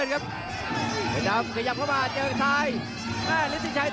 ให้เปลี่ยนมนุษย์นะแก่นซ้าย